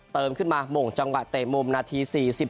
เติมขึ้นมาหม่งจังหวะเตะมุมนาที๔๘